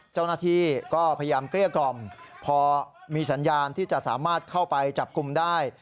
เจ้าหน้าที่ก็พยายามเกลี้ยกล่อมพอมีสัญญาณที่จะสามารถเข้าไปจับกลุ่มได้